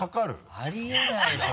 あり得ないでしょ！